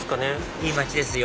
いい街ですよ